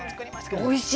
おいしい。